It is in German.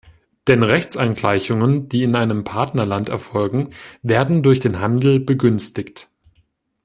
Denn Rechtsangleichungen, die in einem Partnerland erfolgen, werden durch den Handel begünstigt.